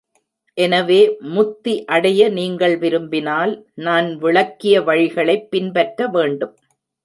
எனவே முத்தி அடைய நீங்கள் விரும்பினால் நான் விளக்கிய வழிகளைப் பின்பற்றவேண்டும்.